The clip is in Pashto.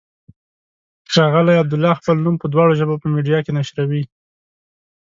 ښاغلی عبدالله خپل نوم په دواړو ژبو په میډیا کې نشروي.